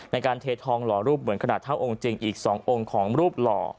ในการเททองหล่อรูปเหมือนขนาดเท่าองค์จริงอีก๒องค์ของรูปหล่อ